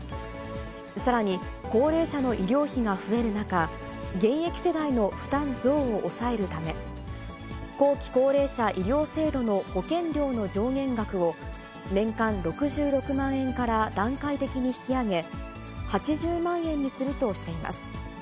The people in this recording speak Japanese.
さらに、高齢者の医療費が増える中、現役世代の負担増を抑えるため、後期高齢者医療制度の保険料の上限額を、年間６６万円から段階的に引き上げ、８０万円にするとしています。